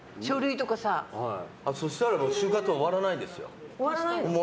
そしたら終活終わらないですよ。